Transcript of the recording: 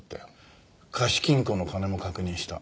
貸金庫の金も確認した。